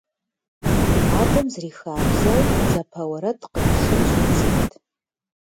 Адэм, зэрихабзэу, дзапэ уэрэд къришын щIидзэрт.